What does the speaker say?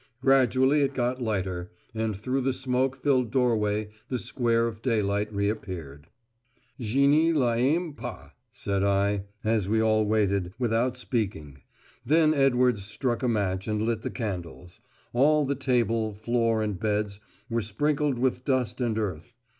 Gradually it got lighter, and through the smoke filled doorway the square of daylight reappeared. "Je ne l'aime pas," said I, as we all waited, without speaking. Then Edwards struck a match and lit the candles; all the table, floor, and beds were sprinkled with dust and earth.